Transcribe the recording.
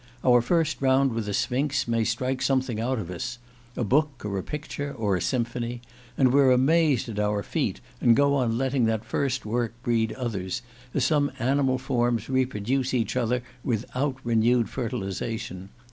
Our first round with the Sphinx may strike something out of us a book or a picture or a symphony; and we're amazed at our feat, and go on letting that first work breed others, as some animal forms reproduce each other without renewed fertilization.